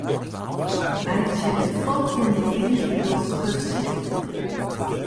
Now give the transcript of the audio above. Meitsje de folgjende fiif rigels kursyf.